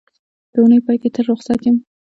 د اونۍ پای کې تل روخصت یم